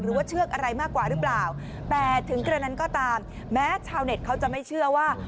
เชือกอะไรมากกว่าหรือเปล่าแต่ถึงกระนั้นก็ตามแม้ชาวเน็ตเขาจะไม่เชื่อว่า